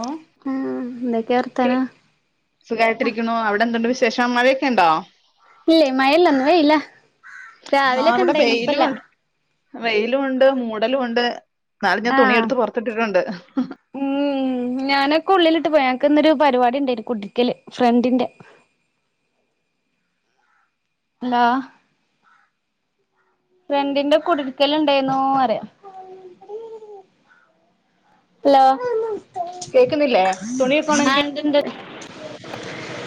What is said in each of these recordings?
ഓ ആഹ് എന്തൊക്കെ കേ വർത്താനം സുഖായിട്ടിരിക്കുന്നു അവിടെ എന്തുണ്ട് വിശേഷം ശേഷം മഴയൊക്കെ ഉണ്ടോ ഇല്ലേ മയല്ല ഇന്ന് വെയിലാ രാവിലൊക്കെ ഇണ്ടായിന്ന് ഇപ്പയില്ല വെയിലൂണ്ട് മൂടലൂണ്ട് ന്നാലും ഞാൻ ആഹ് തുണിയെടുത്ത് പൊറത്തിട്ടിട്ടുണ്ട് ഉം ഞാനൊക്കെ ഉള്ളിലിട്ട് പോയി അനക്ക് ഇന്നൊരു പരിപാടി ഉണ്ടായിരുന്നു കുട്രിക്കല് ഫ്രണ്ടിന്റെ ല്ലാ ഫ്രണ്ടിന്റെ കുടിരിക്കൽ ഉണ്ടായിരുന്നൂ പറയാ ഹലോ കേൾക്കുന്നില്ലേ തുണിയൊക്കെ ആ ഉണങ്ങി ഇണ്ട് ഇണ്ട്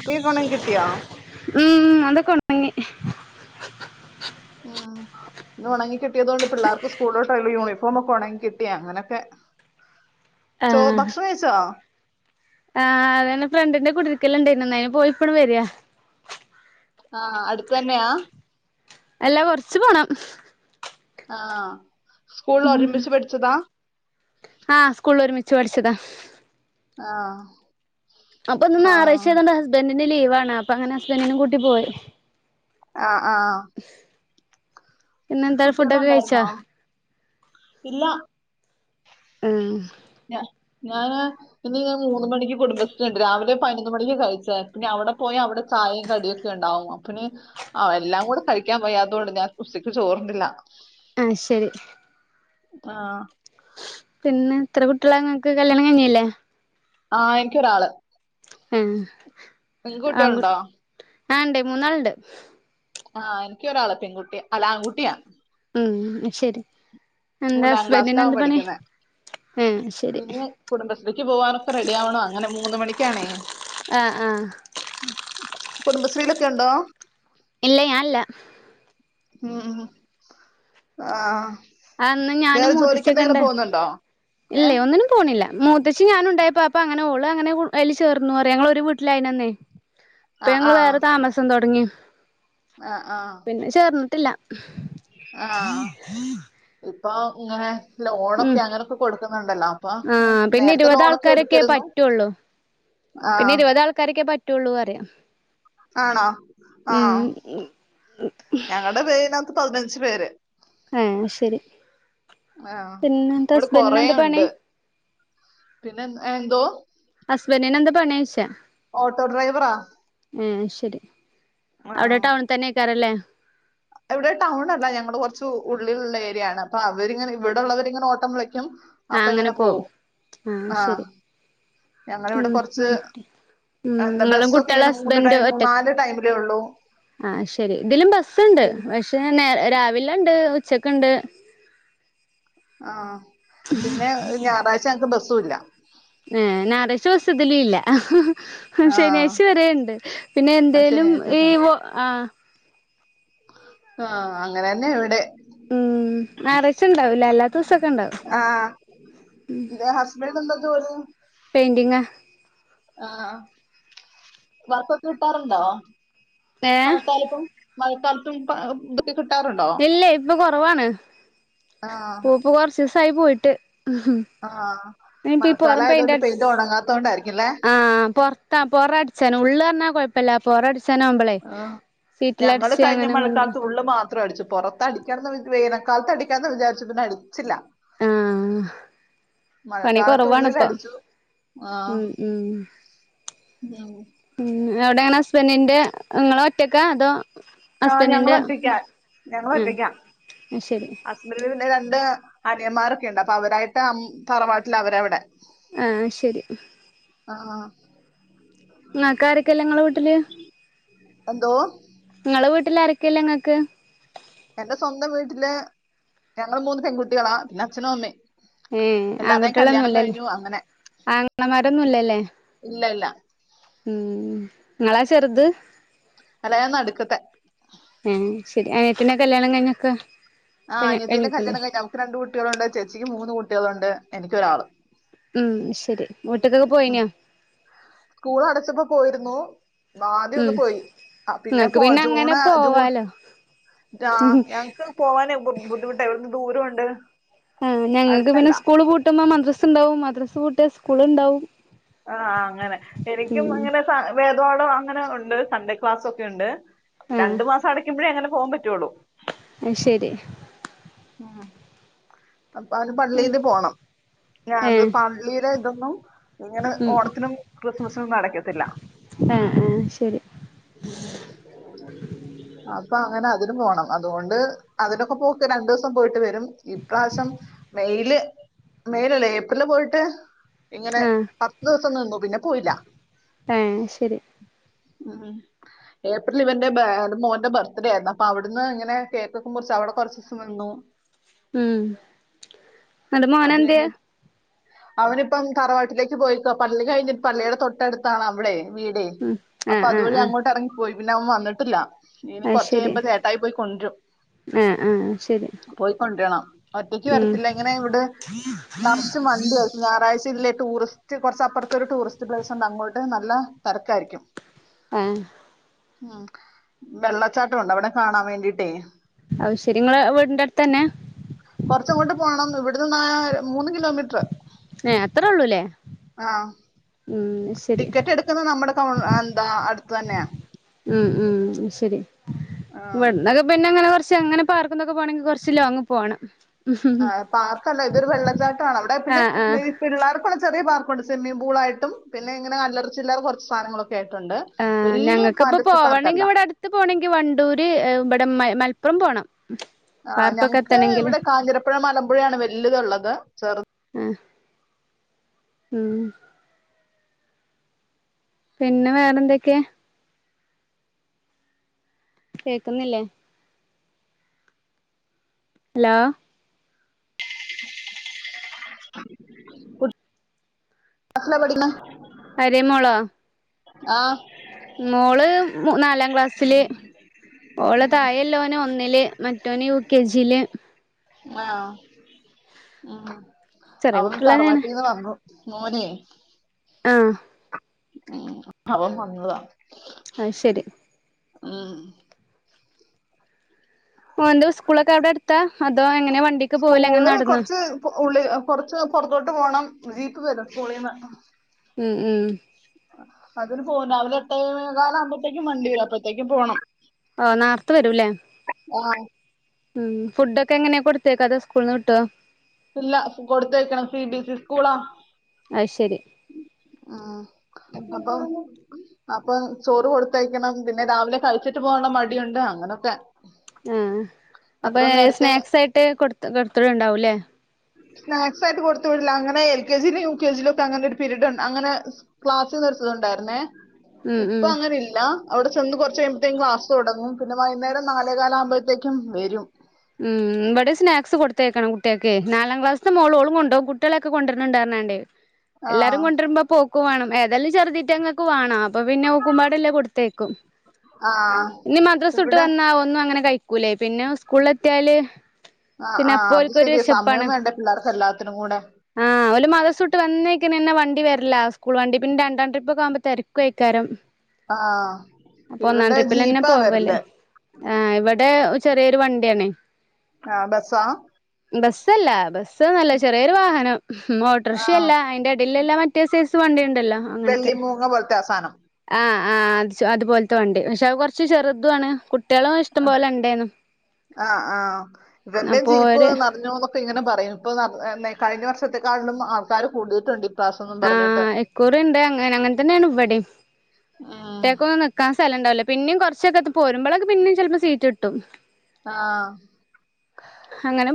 തുണിയൊക്കെ ഉണങ്ങി കിട്ടിയാ ഉം അതൊക്കെ ഉണങ്ങി ഉം ഇന്ന് ഉണങ്ങി കിട്ടിയതോണ്ട് പിള്ളാർക്ക് സ്കൂളിലോട്ടുള്ള യൂണിഫോമൊക്കെ ഉണങ്ങി കിട്ടിയെങ്ങനൊക്കെ സോ ഭക്ഷണം കഴിച്ചോ ആ അതന്നെ ഫ്രണ്ടിന്റെ കുടിരിക്കലുണ്ടായിരുന്നു അയ്ന് പോയിപ്പങ്ങണ്ട് വരാ ആ അടുത്ത് തന്നെയാ അല്ലാ കൊറച്ച് പോണം ആ സ്കൂളിൽ ഒരുമിച്ചു പഠിച്ചതാ ച്ച് പഠിച്ചതാ ആ അപ്പൊ ഇന്ന് ആ ഞായറാഴ്ച്ചയായതോണ്ട് ഹസ്ബൻഡ് ന്റ് ലീവാണ് അപ്പൊ അങ്ങനെ ഹസ്ബന്റിനെയും കൂട്ടിപോയി ആ ആ പിന്നെ എന്താണ് കുട്ടികളും ഫുഡൊക്കെ കഴിച്ചാ ഉണ്ടായിരുന്നോ ഉം ഞാ ഞാന് ഇന്ന് ഞാൻ മൂന്ന് മണിക്ക് കുടുംബശ്രീയുണ്ട് രാവിലെ പതിനൊന്ന് മണിക്ക് കഴിച്ചതാ പിന്നെ അവിടെ പോയി അവിടെ ചായയും കടിയൊക്കെ ഉണ്ടാവുമോ പിന്നെ ആ എല്ലാം കൂടെ കഴിക്കാൻ വയ്യാത്തോണ്ട് ഞാൻ [unintelligible] ചോറുണ്ടില്ല ആ ശരി ആ പിന്നെ എത്ര കുട്ടികളാ ഇങ്ങക്ക് കല്യാണം കഴിഞ്ഞയല്ലേ ആ എനിക്കൊരാള് ആ പെൺകുട്ടികളൊണ്ടോ ആ ഇണ്ട് മൂന്നാളുണ്ട് ആ എനിക്കൊരാള് പെൺകുട്ടിയാ അല്ല ആൺകുട്ടിയാ ഉം ആ ശരി എന്താ മൂന്നാം ക്ലാസ്സിലാ ഹസ്ബൻഡിന് അവൻ എന്ത് പണി പഠിക്കുന്ന് ആഹ് ശരി പിന്നെ കുടുംബശ്രീക്ക് പോവാനൊക്കെ റെഡിയാവണ് അങ്ങനെ മൂന്ന് മണിക്കാണേ ആ ആ കുടുംബശ്രീലൊക്കെയുണ്ടോ ഇല്ല ഞാൻ ഇല്ല ഉം ഉം ആ ആ ഇന്ന് ഞാനും വേറെ ജോലിക്ക് മുത്തേച്ചിക്കൊ എന്തെങ്കിലും ഇണ്ട് പോകുന്നുണ്ടോ ഏ ഇല്ലേ ഒന്നിനും പോണില്ല മൂത്തേച്ചീം ഞാനും ഉണ്ടായിപ്പോ അപ്പൊ അങ്ങനെ ഓളും അങ്ങനെ അതില് ചേർന്നു പറയാ ഞങ്ങളൊരു വീട്ടിലായിനന്നെ ഇപ്പൊ ആ ഞങ്ങള് വേറെ താമസം തൊടങ്ങി ആ ആ ട്ടില്ല ഇപ്പോ ഇങ്ങനെ ഉം ലോണൊക്കെ അങ്ങനൊക്കെ കൊടുക്കുന്നുണ്ടല്ലോ അപ്പൊ ആഹ് പിന്നെ നേരത്തെ ഇരുപത് ലോണൊക്കെ ആൾക്കാരൊക്കെ എടുത്തിരുന്നു പറ്റുള്ളൂ ആ പറ്റൊള്ളൂ പറയാ ആണോ ആ ഉം ഞങ്ങടെ പേകിനാത്ത് പതിനഞ്ച് ഞ്ച് പേര് ആ ശരി ആ പിന്നെന്താ ഇവിടെ കൊറേ ഹസ്ബൻറിനെന്താ പണി ഉണ്ട് പിന്നെ എൻ എ എന്തോ ഹസ്ബന്റിനെന്ത് പണിയാച്ചാ ഓട്ടോ ഡ്രൈവറാ ശരി ആ അവിടെ ടൗണി തന്നെയാക്കാരും ല്ലേ ഇവിടെ ടൗൺ അല്ല ഞങ്ങള് കൊറച്ച് ഉള്ളിലുള്ള ഏരിയാണ് അപ്പൊ അവരിങ്ങനെ ഇവിടൊള്ളവരിങ്ങനെ ഓട്ടം വിളി ക്കും ആഹ് അപ്പൊ അങ്ങനെ ഇങ്ങനെ പോവും ആ മം ഞങ്ങളിവിടെ കുറച്ച് മം മം എന്താ നിങ്ങളും ബസ്സൊക്കെ കുട്ടികളും ഇങ്ങനെ മൂന്ന് ഹസ്ബൻഡും ടൈം ഒറ്റക്‌ നാല് ടൈമിലേ ഉള്ളൂ ആ ശരി ഇതിലും ബസ്സ്ണ്ട് പിൻ- പക്ഷേ രാവില ഒണ്ട് ഉച്ചക്ക്ണ്ട് ആ പിന്നെ ഞായറാഴ്ച ഞങ്ങക്ക് ബസ്സ്‌ സുല്ല ഹ നാര ശ്വാസല ഇല്ല [unintelligible] ആ ശനിയാഴ്ച വരുണ്ട് പിന്നെ ആ ശരി എന്തേലും ഈ ആ ആഹ അങ്ങനെ തന്നെ ഇവിടെ ഉം ഞായറാഴ്ച എല്ലാത്ത ദിവസൊക്കെ ഇണ്ടാവും ആ ഹസ്ബൻഡ് എന്താ ജോലി പെയിന്റിങ്ങാ ആ വർക്കൊക്കെ കിട്ടാറുണ്ടോ ഏ വണക്കാലപ്പ [unintelligible] മഴക്കാലത്തും കിട്ടാറുണ്ടോ ഇല്ല ഇപ്പൊ കൊറവാണ് ആഹ് പൂപ്പ കൊറച്ച് ദിവസയി പോയിട്ട് ആഹ് ട്ട ഉ ഇനിപ്പ മഴക്കാലം പുറം പെയിന്റ് ആയതുകൊണ്ട് അടിച്ചു പെയ്ത് ഉണങ്ങാത്തോണ്ടായിരിക്കുംല്ലേ ആ പുറത്താ പുറയ്‌ സ ഉള്ളള്ഞ്ഞാ കൊഴപ്പമില്ലറട അവസാനാവുമ്പളേ ആഹ് സീറ്റില ഞങ്ങള് അടച്ച് കഴിഞ്ഞ അങ്ങനെ വി മഴക്കാലത്ത് ഉള്ളു മാത്രം അടിച്ചു പുറത്ത് അടിക്കാണ വേനൽക്കാലത്ത് അടിക്കാന്ന് വിാരിച്ചു പിന്നെ അടി ആഹ പണി മഴക്കാലത്ത് കൊറവാണ് ഉള്ളിൽ ഇപ്പ അടിച്ചു ആഹ് ഉ ഉ ഉം എവിടെങ്ങന ഹസ്ബൻറിന്റെ നിങ്ങള ഒറ്റക്കെ അതോ ആ് ഞങ്ങള ഹസ്ബൻഡിന്റെ ഒറ്റക്ക ഉം ഞങ്ങ ഒറ്റക്കാം അത് ശരി ഹസ്ബൻഡ് പിന്നെ ര അനിയന്മാരൊക്കെുണ്ട് അപ്പൊ അവരായിട്ട് തറവാട്ടിൽ അവരവിടെ ആഹ ശരി ആഹ നിങ്ങക്ക ആാരൊക്കല്ല നിങ്ങളെ വീട്ടിൽ എന്തോ വീട്ടിൽ ആരൊക്ക നിങ്ങൾക്ക് എന്റെ സ്വന്തം വീട്ടില് ഞങ്ങളുടെ മൂന്ന് പെൺകുട്ടികളാ പിന്നെ അച്ഛനും അമ്മേ ഏ ആൺകുട്ടികളൊന്നുംല്ലല്ലേ അങ്ങനെ ആങ്ങണമാരൊന്നുംല്ലല്ലേ ഇല്ല ഇല്ല ഉം നിങ്ങളാ ചെറുത് അല്ല ഞാൻ നടുക്കത്തെ ഏ ശരി അനത്തിന്റെ കല്യാണം കഴിഞ്ഞൊക്കെ ആഹ് കഴി അയത്തിന്റെ കഴിഞ്ഞിക്കൂല്ലേ കല്ണം കഴി നമുക്ക് രണ്ട് കുട്ടികളുണ്ട് ചേച്ചിക്ക് മൂന്ന് കുട്ടികളുണ്ട് എനിക്കൊരാള് ഉം ശരിവീട്ടിലൊക്കെ പോയിനാ സ്കൂൾ അടച്ചപ്പോ പോയിരുന്നു ആദ്യം ഉം ഒന്ന് പോയി പിന്നെ നിങ്ങക്ക് പോ ജൂൺ അങ്ങനെ ജൂൺ പോവാലോ ആ് ഞങ്ങക്ക് പോവാന ബുദ്ധിമുട്ട ഇവിടെ ദൂരമുണ്ട് ആ് ഞങ്ങക്ക് പിന്നെ അടുത്തല്ല സ്ൂൾ പൂട്ടുമ്പോ മദ്രാസ്ണ്ടാവും മദ്രസ് ട്ട് സ്കൂള് ണ്ടാവും ആ ആ അങ്ങനെ എനിക്കും അങ്ങനെ സാ വേദപാഠം അങ്ങനെ ഉണ്ട് സൺഡേ ക്ലാസ്സ് ഒക്കെ ഉണ്ട് രണ്ടു മാസം അടക്കുമ്പഴേ അങ്ങനെ പോവൻ പറ്റുള്ളൂ അഹ് ശരി ആഹ് അപ്പ അവന് പള്ളിയില് പോണം ഏ ഞാത് പള്ളിയിലെ ഇതൊന്നും ഇങ്ങനെ ഉം ഓണത്തിനും ക്രിസ്മസിനും ഒന്നടക്കത്തില്ല ആ ആ ശരി ഉം അ അപ്പൊ അങ്ങനെ അതിനും പോകണം അതുകൊണ്ട് അതിനൊക്കെ പോക്ക് രണ്ടൂസ സം പോയിട്ട് വരും ഇപ്രാവശ്യം മെയില് മേയിലല്ലേ ഏപ്രിലില് പോയിട്ട് ഇങ്ങനെ ആ പത്ത് ദിവസം നിന്നു പിന്നെ പോയില്ല ആ ശരി ഉ ഉം ഏപ്രിൽ ഇവന്റെ മോന്റെ ബർത്ത്ഡേ ആയിരുന്നു അപ്പൊ അവിടുന്ന് ഇങ്ങനെ കേക്കൊക്കെ മുറിച്ച് അവിടെ കൊറച്ച് ദിവസം നിന്നു ഉം അന്റെ മോന് അത് എന്ത്യേ കഴിഞ്ഞിട്ട് അവനിപ്പം തറവാട്ടിലേക്ക് പോയിക്ക പള്ളി കഴിഞ്ഞിട്ട് പള്ളിയുടെ തൊട്ടടുത്താണ് അവിടെ വീടെ ഉം അപ്പൊ ആഹ് അതു ആഹ് വഴിഅങ്ങോട്ട് ഇറങ്ങിപ്പോയി പിന്നെ അവൻ വന്നിട്ടില്ല ഇനി കുറച്ച് അഹ്ശരി കഴിയുമ്പോ ചേട്ടായി പോയി കൊണ്ടുവരും ആഹ് ആഹ് ശരി കൊണ്ടരണം ഒറ്റയ്ക്ക് ഉം വരത്തില്ല ഇങ്ങനെ ഇവിടെ നറച്ച് വണ്ടി ഞായറാഴ്ച ഇതിലെ ടൂറിസ്റ്റ് കുറച്ചപ്പുറത്ത ഒരു ടൂറിസ്റ്റ് പ്ലേസ് ഉണ്ട് അങ്ങോട്ട് നല്ല തെരക്കായിരിക്കും ഏഹ് ഉം വെള്ളച്ചാട്ടവുണ്ട് അവിടെ കാണാൻ വേണ്ടിട്ടേ അത്ശരി ഇങ്ങളെ വീടിന്റെ അടുത്തന്നെ കുറച്ചുംങ്ങോട്ട് പോകണം ഇവിടുന്ന് മൂന്ന് കിലോമീറ്റർ ഏ അത്രേ ഉള്ളൂല്ലേ ആ ഉം ശരി ടിക്കറ്റ് എടുക്കുന്ന നമ്മുടെ ടൗൺ എന്താ അടു ത്തന്നെയാ ഉം ഉം ശരി ഇവിടന്നൊക്കെ പിന്നെ അങ്ങനെ കുറച്ച് പക്ഷെ അങ്ങനെ പാർക്കന്നൊക്കെ പോവാണെങ്കിൽ കുറച്ച് ലോങ് പോണം ആ പാർക്കല്ല ഇതൊരു വെള്ളച്ചാട്ട ആണ് അവിടെ പിന്നെ ആഹ് ആഹ് ഈ പിള്ളേർക്കുള്ള ചെറിയ പാർ ക്ക്ണ്ട് സ്വിമ്മിംഗ് പൂളായിട്ടും പിന്നെ ഇങ്ങന അല്ലറച്ചില്റ കുറച്ച് സധങ്ങളൊ ആ ഞങ്ങൾക്കിപ്പ പാർക്കല്ല പോവണങ്കിൽ ഇവിടെ അടുത്ത് പോകണങ്കിൽ വണ്ടൂര് ഇവിടെ മ മൽ പ്പുറം പോണം ആ പാർക്കൊക്കെ ഞങ്ങക്ക് എത്തണെങ്കില് ഇവിടെ കാഞ്ഞിരപ്പുഴ മലമ്പുഴയാണ് വലുതുള്ളത് ചെറു ആഹ് ഉം പിന്നെ വേറെ എന്തൊക്കെ കേക്കുന്നില്ലേ ഹലോ അസല പഠിന അരേ മോളോ ആ മോള് നാലാം ക്ലാസ്സില് മോള് തഴല്ലോന് ഒന്നില് മറ്റോന് യു കെ ജി ല് ആ ഉം അവും തറവാട്ടീന്ന് വന്നു [inaudible] മോനെ ആ ഉ അവ വന്നത ആഹ ശരി ആ വ ഒന്ന് ദിവ സ്കൂളക് അവ്ടെ അട്ത്താ സ്കൂള് കൊറച്ച് ഉള്ളി കൊറച്ച് പുറത്തോട്ട് പോണം വിപ്പ വരും സുകൂളിന്ന് ഉം ഉം അതന് പോവും രാവിലെ എട്ട കാലം ആകുമ്പോഴത്തേക്കും വണ്ടിവരും അപ്പത്തേക്കും പോണം ഓ നോർത്ത വരൂല്ലേ ആ ഉം ഫുഡ ഒക്കെ എങ്ങനെ കൊടുത്തക്കഥ സ്കൂൾന്ന് കിട്ടോ ഇല്ല കൊടുത്തയക്കണം സി ബി എസ് ഇ സ്കൂളാ അത് ശരി ഉം അപ്പൊ അപ്പം ചോറ് കൊടുത്തയക്കണം പിന്നെ രാവിലെ കഴിച്ചിട്ട് പോുള്ള മടിയുണ്ട് അങ്ങനൊക്കെ ആ അപ്പൊ അത്ര നേരത്തെ സ്നാക്സ് ആയിട്ട് കൊടുത്ത് കൊടുത്തടെ ഉണ്ടാവൂല്ലേ സ്നാക്സ് ആയിട്ട് കൊടുത്ത വിടില്ല അങ്ങനെ എൽ കെ ജിയിലും യു കെ ജിയിലും ഒക്കെ അങ്ങനെ ഒരു പീരീഡ ഉണ്ട് അങ്ങനെ ക്ലാസ് നിർത്തത്ണ്ടായിരുന്നേ ഉം ഇപ്പൊ ഉം അങ്ങന ഇല്ല അവിടെ ചെന്ന് കുറച്ച് കഴുമ്പോഴത്തേക്കും ക്ലാസ് തുടങ്ങും പിന്നെ വൈന്നെരം നാലേകാലം ആക്പോഴത്തേക്കും വരും ഉം ഇവിടെ സ്നാക്സ് കൊടുത്തേക്കണം കുട്ടിയൊക്ക് നാലാം ക്ലാസ്സത്തെ മോളോള കൊണ്ടുപകും കുട്ടികളൊക്കെ കൊണ്ടുവരണ്ട്രണണ്ട്േ ആ എല്ലാരും കൊണ്ടരുമ്പോ പോ ക്ക് വേണം ഏതായാലും ചെറുതിട്ട് അങ്ങക്ക് വേണം അപ്പൊ പിന്നെ ഓക്കുമ്പാടല്ലേ കൊടുത്തേക്കും ആ ഇനി മദ്രസ ഇട്ട് ഇവിടെ വന്നാ ഒന്നും അങ്ങനെ കഴിക്ക കുല പിന്നെ സുകൂളെതിയാല് ആ പിന്നെ ആ അത് അപ്പോക്ക് ഒരു ശരിയാ സമയം വിശപ്പാണ് വേണ്ടേ പിള്ളേർക്ക് എല്ലാത്തിനും കൂടെ ആഹ ഒരു മതസൂട്ട് വന്നേക്കന്നെ വണ്ടി വരില്ല സ്കൂൾ വണ്ടി പിന്നെ രണ്ടാം ട്രിപ്പ്ക്കെകുമ്പോ തിരക്ക കഴക്കാരം ആ അപ്പൊ ഒന്നാം ഇവിടെ ട്രിപ്പിൽ തന്നെ ജീപ്പാ പോവല്ലേ വരല് ആ ഇവിടെ ചെറിയ രു വ ണ്ടി ആണ് ആഹ് ബസ്സാ ബസ്സല്ല ബസ് സ്ന്നല്ല ചെറിയൊരു വാഹനം ആ മോട്ടർഷ്യല്ല ഐന്റെ ടല്ള്ള ആമറ്റേ സൈസ് വണ്ടിണ്ടല്ലോ അങ്ങൻത്തെ വെള്ളിമൂങ്ങ പോലത്തെ ആ സാധനം ആഹ് ആഹ് അത്പോൽത്തെ വണ്ടി പക്ഷെ അത് കൊർച്ച് ചെറുതുആണ് കു അ ആ ആ ഓക്കെ ഇവന്റേ അപ്പൊ ജീപ്പ് ഓര് നർഞ്ഞൂന്നൊക്കെങ്ങനെ പറയും ഇപ്പം നർ നെ കഴിഞ്ഞ വർഷത്തെക്കാളും ആൾക്കാര് കൂടീട്ടുണ്ട് ഇപ്രാവശ്യം ആ എക്കോറിയണ്ട് അങ്ങനെ അങ്ങൻതന്നേണ് ഇവടിം ഉം ഏക്കോ നിക്കാൻ സ്ഥലംണ്ടാവില്ല പിന്നിം കൊർച്ചൊക്കെ പോരുമ്പളക്കെ പിന്നിം ചെൽപ്പം സീറ്റ്ട്ടും ആഹ്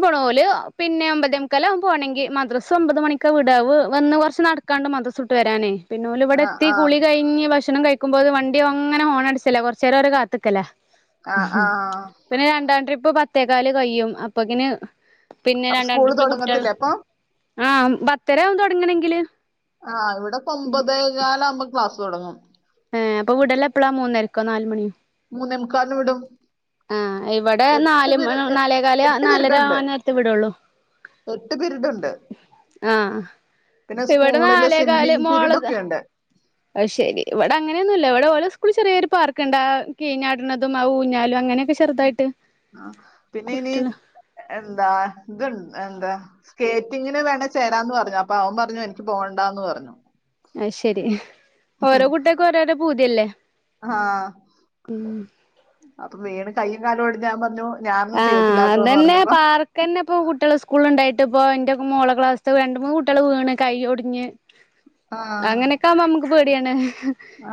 പോണോല് പിന്നെ ഒമ്പതെമുക്കാലാവും പോണെങ്കി മദ്രസ് ഒമ്പത് മണിക്ക വിടാ വ് വന്ന് കൊറച്ച് നട് കണ്ട മദ്രസൂട്ട് വരാനേ പിന്നെ ഓല് ആഹ് വടെത്തി ആഹ് കുളി കഴിഞ്ഞ് ഭക്ഷ ഭക്ഷണം കഴിക്കുമ്പോത്തിന് വണ്ടി അങ്ങനെ ഹോണടിച്ചല്ലേ കൊർച്ചേരം ഓല് കാത്ത്ക്കല്ലേ ആഹ് ആഹ് പിന്നെ രണ്ടാം ട്രിപ്പ് പ ത്തേകാല് കയ്യും അപ്പൊക്കിന് പിന്നെ അപ്പൊ രണ്ടാം സ്കൂള് ട്രിപ്പില് കുട്ട്യാൾ തുടങ്ങത്തില്ലേ അപ്പൊ ആ ബത്തരാവും തൊ എങ്ങനെങ്കില് ആ ഇവിടപ്പം ഒമ്പതേകാലവുമ്പോ ക്ലാസ് തൊടങ്ങും ഏ അപ്പൊ വിടലപ്പളാ മൂന്നരക്കോ നാല്മണി മൂന്നെമുക്കാൽന് വിടും ആഹ് ഇവിടെ എട്ട് നാല് പിരി എ നാലേകാല് എട്ട് നാലര പരിടുണ്ട് ആ നേരത്ത് വിടൊള്ളൂ എട്ട് പിരിടുണ്ട് ആഹ് പിന്നെ ഇവിടെ സ്കൂളില് സ്വിമ്മിംഗ് പിരിഡൊക്കെണ്ട് ഐശരി ഇവിടെ അങ്ങനെയൊന്നുല്ല ഇവിടെ ഓലെ സ്കൂള്ള് ചെറിയൊരു പാർക്കുണ്ട് ആ കീഴഞ്ഞാട്ണതും ആ ഊഞ്ഞാലും അങ്ങനെയൊക്കെ ചെറുതായിട്ട് ആ പിന്നെ ഇനി കുട്ടികള് എന്താ ഇതുണ്ട് എന്താ സ്കേറ്റിങ്ങിന് വേണേ ചേരാന്ന് പറഞ്ഞു അപ്പ അവൻ പറഞ്ഞു എനിക്ക് പോണ്ടാന്ന് പറഞ്ഞു അത് ശെരി ഓരോ കുട്യോക്കും ഓരോരോ പൂതിയല്ലേ ആ അപ്പൊ വീണ് കയ്യും കാലു ഒടിഞാൻ പറഞ്ഞു ഞാനൊന്നും ആ ചെയ്യത്തില്ലാത്തോന്ന് അതന്നേ പറഞ്ഞപ്പോ പാർക്കന്നേ ഇപ്പ കുട്യള് സ്കൂളി ലൊണ്ടെ ട്ടിപ്പോ ന്റെ മോളടെ ക്ലാസില് രണ്ട് മൂന്ന് കുട്ടികള് വീണ് കൈയൊടിഞ്ഞ് ആഹ് അങ്ങനൊക്കെ ആവുമ്പോമ്മക്ക് പേടിയാണ്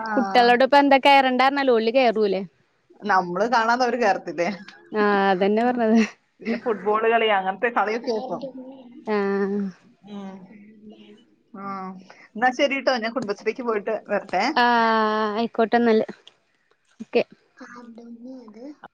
ആഹ് കുട്ട്യളോട് പ്പ എന്താകേറണ്ട ന്നാലും ഓല് കേറൂല്ലേ നമ്മള് കാണാതവര് കേറത്തില്ലേ ആഹ് അതന്നെ പറഞ്ഞത് പിന്നെ ഫുട്ബോൾ കളിയ അങ്ങൻത്തെ കളിയൊക്കെയായിർക്കും ആഹ് ഉം ആ ന്നാശരിട്ടോ ഞാൻ കുടുംബശ്രീക്ക് പോയിട്ട് വരട്ടെ ആ ആയിക്കോട്ടെന്നല് ഒക്കെ ആ [unintelligible] അത്